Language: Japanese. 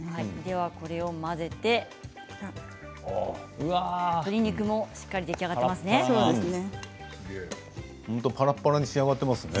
これを混ぜて、鶏肉もしっかり出来上がっていますね。